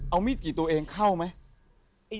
เอามีดกี่ตัวเองเข้าไหม